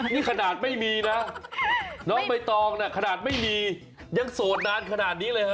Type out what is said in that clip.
นี่ขนาดไม่มีนะน้องใบตองขนาดไม่มียังโสดนานขนาดนี้เลยฮะ